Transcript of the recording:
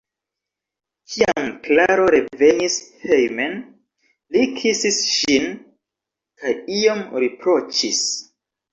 Kiam Klaro revenis hejmen, li kisis ŝin kaj iom riproĉis.